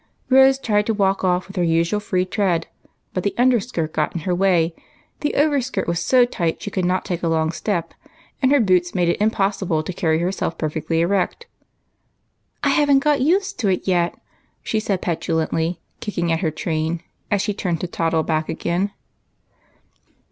Rose tried to walk off wdtli her usual free tread, but the under skirt got in her way, the over skirt was so tight she could not take a long step, and her boots made it impossible to carry herself* perfectly erect. " I have n't got used to it yet," she said, petulantly, kicking at her train, as she turned to toddle back again.